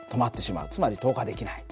つまり透過できない。